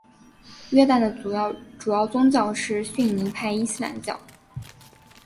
约旦的主要宗教是逊尼派伊斯兰教。